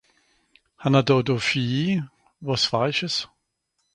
hàn'r dàdo Vieh? wàs farisches ?